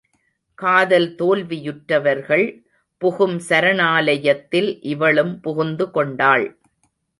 காதல் தோல்வியுற்றவர்கள் புகும் சரணாலயத்தில் இவளும் புகுந்து கொண்டாள்.